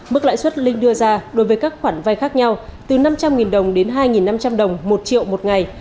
mức lãi suất linh đưa ra đối với các khoản vai khác nhau từ năm trăm linh đồng đến hai năm trăm linh đồng một triệu một ngày